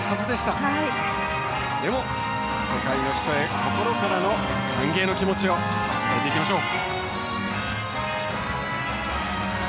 それでも、世界中の人へ心からの「歓迎」の気持ちを伝えていきましょう。